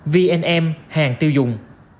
vnm hàng tiêu dùng